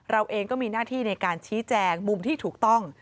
เราเองก็มีหน้าที่ในการชี้แจงมุมที่ถูกต้อง